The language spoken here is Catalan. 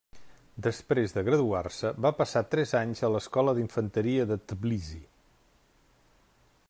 Després de graduar-se, va passar tres anys a l'Escola d'Infanteria de Tbilissi.